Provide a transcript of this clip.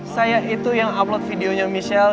saya itu yang upload videonya michelle